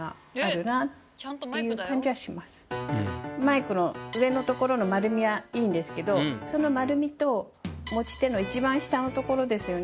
マイクの上のところの丸みはいいんですけどその丸みと持ち手のいちばん下のところですよね。